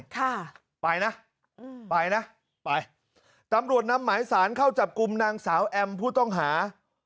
ค่ะไปนะอืมไปนะไปตำรวจนำหมายสารเข้าจับกลุ่มนางสาวแอมผู้ต้องหา